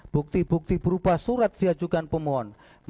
bukti bukti berupa surat diajukan pemohon